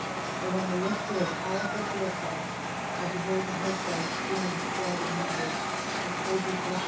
But when I look through a powerful field glass, I behold the hill sides strewn with dead and wounded, and soldiers rush